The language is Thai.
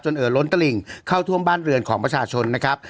เอ่อล้นตลิ่งเข้าท่วมบ้านเรือนของประชาชนนะครับ